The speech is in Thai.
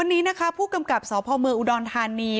วันนี้นะคะผู้กำกับสพเมืองอุดรธานี